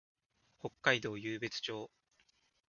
北海道湧別町